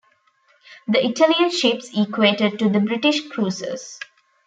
The Italian ships equated to the British cruisers.